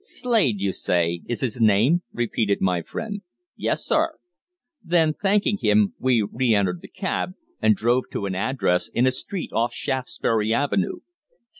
"Slade, you say, is his name?" repeated my friend. "Yes, sir." Then, thanking him, we re entered the cab and drove to an address in a street off Shaftesbury Avenue.